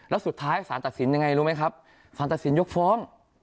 แล้วสุดท้ายสารตัดสินยังไงรู้ไหมครับสารตัดสินยกฟ้อง